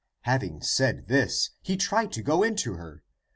" Having said this, he tried to go into her.